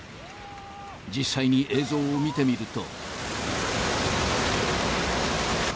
実際に映像を見てみると。